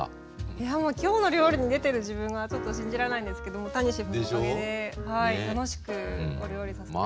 いやもう「きょうの料理」に出てる自分がちょっと信じられないんですけども谷シェフのおかげで楽しくお料理させてもらいました。